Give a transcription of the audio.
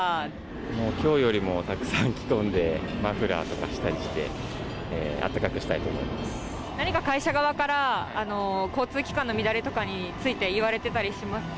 もうきょうよりもたくさん着込んで、マフラーとかしたりして、何か会社側から、交通機関の乱れとかについて言われてたりしますか？